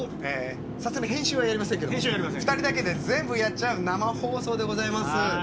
さすがに編集はやりませんが２人だけで全部やっちゃう生放送でございます。